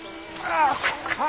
ああ